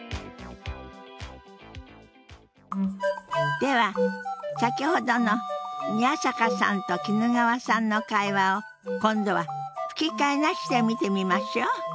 では先ほどの宮坂さんと衣川さんの会話を今度は吹き替えなしで見てみましょう。